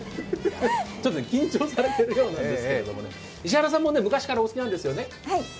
緊張されているようなんですけど石原さんも昔からお好きなんですよね。